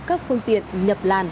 các phương tiện nhập làn